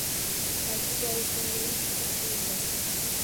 “Qaysi joyi senga eng qiziq tuyuldi?”.